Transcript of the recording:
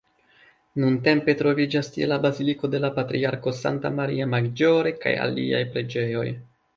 Nuntempe troviĝas tie la baziliko de la patriarko Santa Maria Maggiore kaj aliaj preĝejoj.